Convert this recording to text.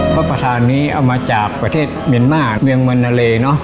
พระประธานนี้เอามาจากประเทศเมียนมาร์เมืองมันนาเลเนอะ